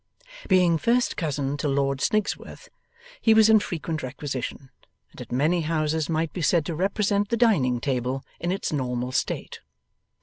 Being first cousin to Lord Snigsworth, he was in frequent requisition, and at many houses might be said to represent the dining table in its normal state.